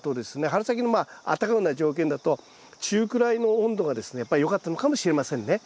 春先のまああったかくなる条件だと中くらいの温度がですねやっぱりよかったのかもしれませんね。